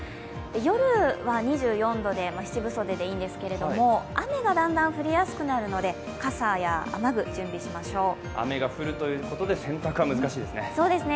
夜は２４度で七分袖でいいんですけれども、雨がだんだん降りやすくなるので雨具を雨が降るということで洗濯は難しいですね。